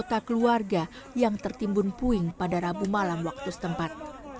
pertama diperlukan empat anggota keluarga yang tertimbun puing pada rabu malam waktu setempat